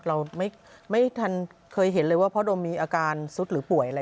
เราไม่ทันเคยเห็นเลยว่าพ่อดมมีอาการสุดหรือป่วยอะไร